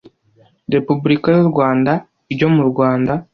repubulika y u rwanda ryo mu rwanda